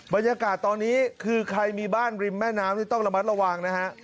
บรรยากาศตอนนี้คือใครมีบ้านริมแม่น้ำนี่ต้องระมัดระวังนะฮะ